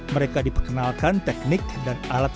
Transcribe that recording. mereka diperkenalkan teknik dan alat